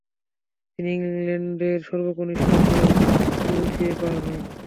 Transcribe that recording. তিনি ইংল্যান্ডের সর্বকনিষ্ঠ কল টু দ্য বার হন।